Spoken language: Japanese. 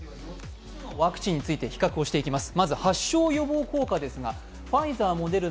４つのワクチンについて比較をしていきます。